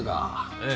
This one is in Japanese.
ええ。